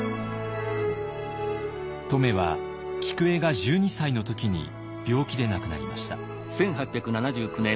乙女は菊栄が１２歳の時に病気で亡くなりました。